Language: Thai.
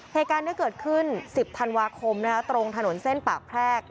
เหตุการณ์นี้เกิดขึ้น๑๐ธันวาคมตรงถนนเส้นปากแพรก